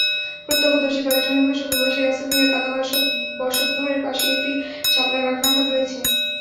প্রত্যক্ষদর্শী কয়েকজনের ভাষ্য, প্রবাসী রাসেল মিয়ার পাকা বসতঘরের পাশেই একটি ছাপড়া রান্নাঘর রয়েছে।